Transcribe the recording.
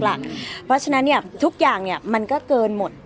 เพราะฉะนั้นเนี่ยทุกอย่างจริงมันก็เกินหมด